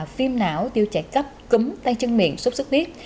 phim não tiêu trại cấp cúm tay chân miệng sốt sốt huyết